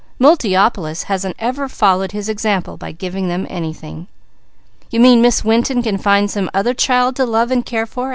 Multiopolis hasn't ever followed His example by giving them anything." "You mean Miss Winton can find some other child to love and care for?"